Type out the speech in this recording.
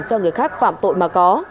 cho người khác phạm tội mà có